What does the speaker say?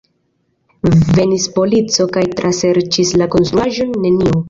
Venis polico kaj traserĉis la konstruaĵon: nenio.